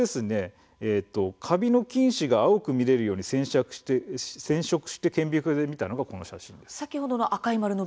カビの菌糸が青く見えるように染色して顕微鏡で見たものです。